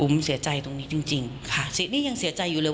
มันเสียใจตรงนี้จริงค่ะชีวิตนี้ยังเสียใจอยู่เลย